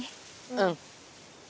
うん！